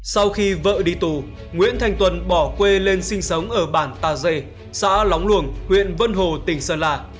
sau khi vợ đi tù nguyễn thành tuần bỏ quê lên sinh sống ở bản tà dê xã lóng luồng huyện vân hồ tỉnh sơn lạ